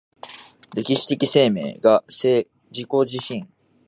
歴史的生命が自己自身を具体化するのである、世界が真に自己自身から動くものとなるのである。